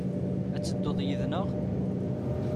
Ad d-teddu yid-neɣ?